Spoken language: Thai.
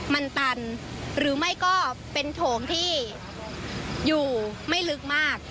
มันตันหรือไม่ก็เป็นโถงที่อยู่ไม่ลึกมาก